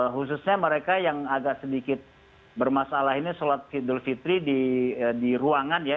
khususnya mereka yang agak sedikit bermasalah ini sholat idul fitri di ruangan ya